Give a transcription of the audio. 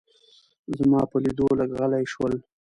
زما په لیدو لږ غلي شول.